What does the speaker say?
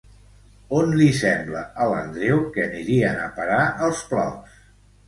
On li sembla a l'Andreu que anirien a parar els plors?